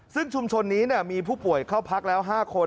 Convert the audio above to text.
ซึ่งชุมชนนี้มีผู้ป่วยเข้าพักแล้ว๕คน